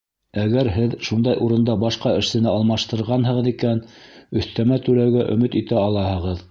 Әгәр һеҙ шундай урында башҡа эшсене алмаштырғанһығыҙ икән, өҫтәмә түләүгә өмөт итә алаһығыҙ.